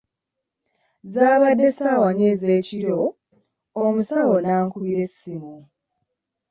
Zabadde ssaawa nnya ez’ekiro, omusawo n’ankubira essimu.